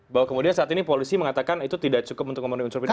bahwa kemudian saat ini polisi mengatakan itu tidak cukup untuk memenuhi unsur pidana